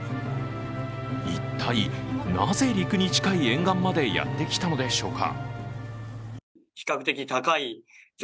一体なぜ陸に近い沿岸までやってきたのでしょうか？